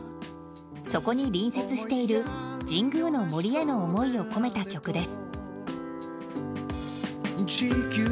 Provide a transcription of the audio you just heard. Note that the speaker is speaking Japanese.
そこに隣接している神宮の森への思いを込めた曲です。